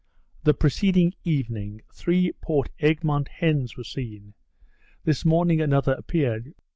The preceding evening, three Port Egmont hens were seen; this morning another appeared.